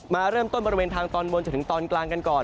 มาเริ่มต้นบริเวณทางตอนบนจนถึงตอนกลางกันก่อน